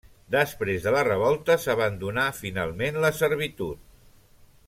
Després de la revolta s'abandonà finalment la servitud.